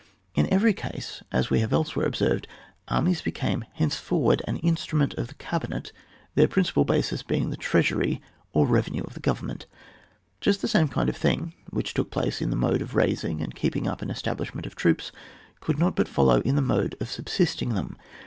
In every case, as we have elsewhere observed, armies be came henceforward, an instrument of the cabinet, their principal basis being the treasury or the revenue of the govern ment. Just the same kind of thing which took place in the mode of raising and keep ing up an establishment of troops could not but follow in the mode of subsisting them.